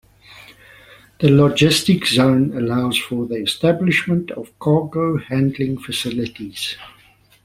The logistics zone allows for the establishment of cargo handling facilities.